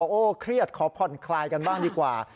เครียดขอผ่อนคลายกันบ้างดีกว่า